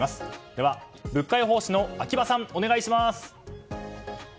では物価予報士の秋葉さんお願いします。